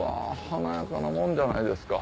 華やかな門じゃないですか。